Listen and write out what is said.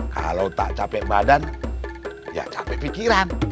kalau tak capek badan ya capek pikiran